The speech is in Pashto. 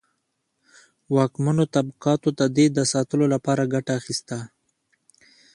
واکمنو طبقاتو د دې د ساتلو لپاره ګټه اخیسته.